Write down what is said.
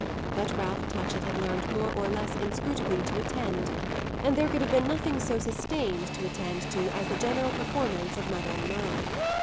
But Ralph Touchett had learned more or less inscrutably to attend, and there could have been nothing so "sustained" to attend to as the general performance of Madame Merle.